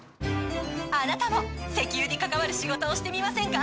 あなたも石油に関わる仕事をしてみませんか。